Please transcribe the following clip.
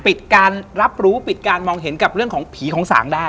ปิดการรับรู้ปิดการมองเห็นกับเรื่องของผีของสางได้